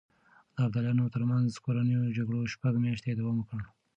د ابداليانو ترمنځ کورنيو جګړو شپږ مياشتې دوام وکړ.